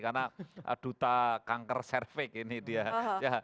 karena duta kanker cervix ini dia